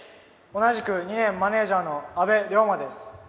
同じく２年マネージャーの阿部龍馬です。